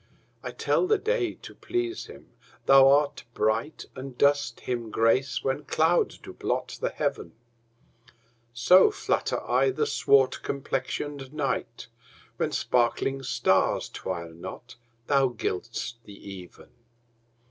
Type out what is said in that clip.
I tell the day, to please him thou art bright, And dost him grace when clouds do blot the heaven: So flatter I the swart complexion'd night, When sparkling stars twire not thou gild'st the even.